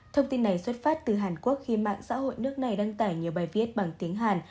thông tin này xuất phát từ hàn quốc khi mạng xã hội nước này đăng tải nhiều bài viết bằng tiếng hàn